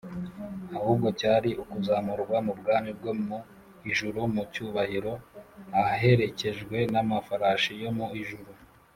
ahubwo cyari ukuzamurwa mu bwami bwo mu ijuru mu cyubahiro aherekejwe n’amafarashi yo mu ijuru